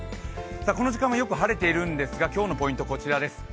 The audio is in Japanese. この時間はよく晴れているんですが今日のポイントこちらです。